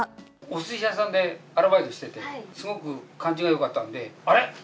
おすし屋さんでアルバイトしてて、すごく感じがよかったんで、あれ？